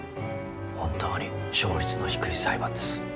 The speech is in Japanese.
本当に勝率の低い裁判です。